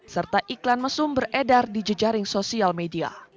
serta iklan mesum beredar di jejaring sosial media